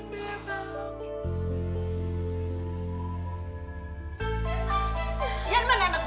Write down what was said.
kita apa sih lo tau